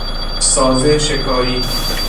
سازشکاری